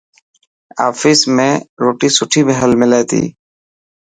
آفيس ۾ روٽي سٺي هلي تي.